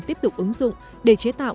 tiếp tục ứng dụng để chế tạo